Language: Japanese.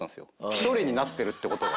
一人になってるって事が。